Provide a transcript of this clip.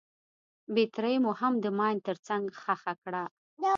بټرۍ مو هم د ماين تر څنګ ښخه کړه.